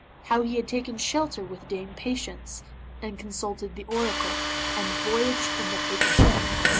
How he had taken shelter with Dame Patience, and consulted the Oracle, and voyaged in the paper ship.